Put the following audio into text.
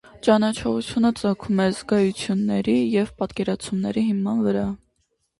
Ճանաչողությունը ծագում է զգայությունների և պատկերացումների հիման վրա։